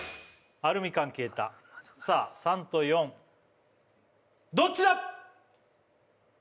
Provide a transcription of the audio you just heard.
アルミ缶消えたさあ３と４どっちだ！